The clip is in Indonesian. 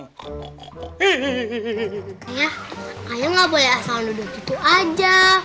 nih ayah gak boleh asal duduk gitu aja